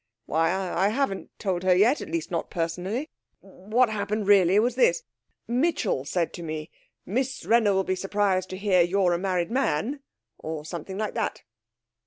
'Why, I haven't told her yet at least, not personally. What happened really was this: Mitchell said to me, "Miss Wrenner will be surprised to hear you're a married man," or something like that.'